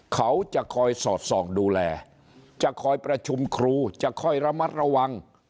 เขาจะคอยสอดส่องดูแลจะคอยประชุมครูจะค่อยระมัดระวัง